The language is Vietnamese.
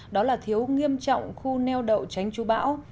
đó là thiếu nghiêm trọng khu neo đậu tránh chú bão